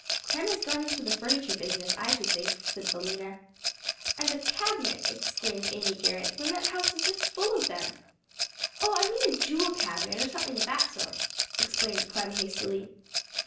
"Clem has gone into the furniture business, I should think," said Philena. "And a cabinet!" exclaimed Amy Garrett, "when that house is just full of 'em." "Oh, I mean a jewel cabinet, or something of that sort," explained Clem hastily.